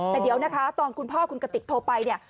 แต่เดี๋ยวนะคะตอนคุณพ่อคุณกติกโทรไปเนี่ย